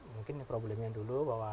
mungkin problemnya dulu bahwa